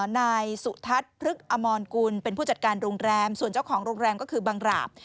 นายสุทัศน์พฤกษอมรกุลเป็นผู้จัดการโรงแรมส่วนเจ้าของโรงแรมก็คือบังหราบ